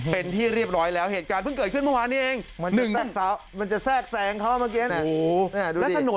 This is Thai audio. เป็นที่เรียบร้อยแล้วเหตุการณ์เพิ่งเกิดขึ้นเมื่อวานนี้เองมันจะแทรกแซงเขาเมื่อกี้นะ